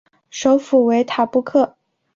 首府为塔布克。